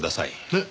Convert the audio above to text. えっ？